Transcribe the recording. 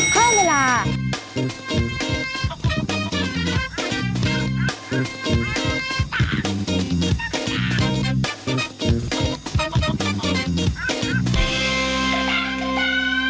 เพิ่มเวลา